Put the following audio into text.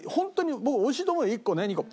僕美味しいと思うよ１個ね２個。